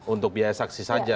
untuk biaya saksi saja